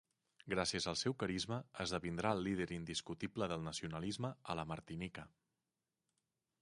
Gràcies al seu carisma esdevindrà el líder indiscutible del nacionalisme a la Martinica.